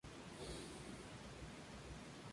Linneo siguió implicado en la mayoría de las expediciones.